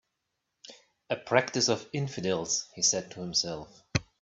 "A practice of infidels," he said to himself.